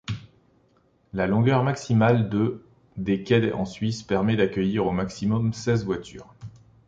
La longueur maximale de des quais en Suisse permet d'accueillir au maximum seize voitures.